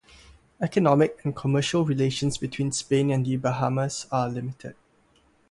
Economic and commercial relations between Spain and the Bahamas are limited.